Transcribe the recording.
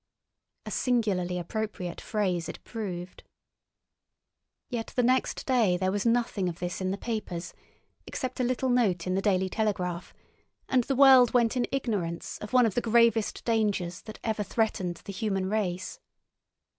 A singularly appropriate phrase it proved. Yet the next day there was nothing of this in the papers except a little note in the Daily Telegraph, and the world went in ignorance of one of the gravest dangers that ever threatened the human race.